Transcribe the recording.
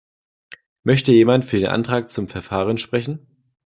Möchte jemand für den Antrag zum Verfahren sprechen?